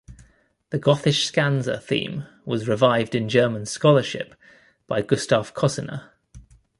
The Gothiscandza theme was revived in German scholarship by Gustav Kossinna.